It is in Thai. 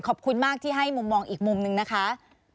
ขอบคุณมากที่ให้มุมมองอีกมุมนึงนะคะ